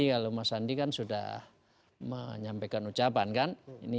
kalau mas andi kan sudah menyampaikan ucapan kan